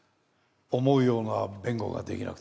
思うような弁護が出来なくて。